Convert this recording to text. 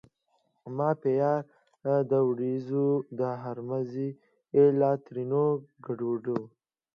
ما پيار دي وړیزو ته هرمزي له؛ ترينو ګړدود